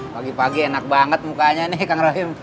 pagi pagi enak banget mukanya nih kang rahim